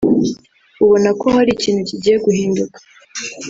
ubona ko hari ikintu kigiye guhinduka